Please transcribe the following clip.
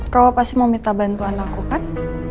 kau pasti mau minta bantuan aku kan